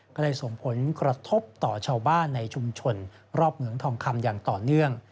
ก็ได้ส่งผลกระทบต่อชาวบ้านในชุมชนรอบเหมืองทองคำอย่างต่อเนื่อง